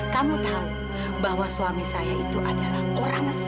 kamu tahu bahwa suami saya itu adalah orang tua